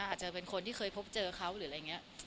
อาจจะเป็นคนที่เคยพบเจอเขาหรืออะไรอย่างนี้